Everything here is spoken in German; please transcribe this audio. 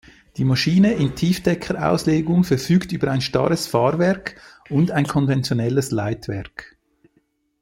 Die Maschine in Tiefdeckerauslegung verfügte über ein starres Fahrwerk und ein konventionelles Leitwerk.